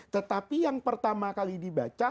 tetapi yang pertama kali dibaca